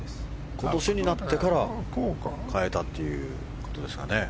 今年に入ってから変えたということですね。